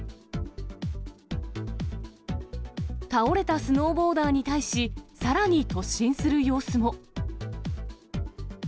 倒れたスノーボーダーに対し、さらに突進する様子も。